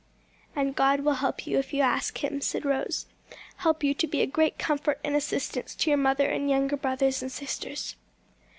"And God will help you if you ask Him," said Rose; "help you to be a great comfort and assistance to your mother and younger brothers and sisters."